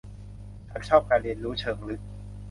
ฉันชอบการเรียนรู้เชิงลึก